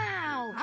あ？